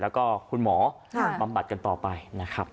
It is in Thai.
แล้วก็คุณหมอบำบัดกันต่อไปนะครับ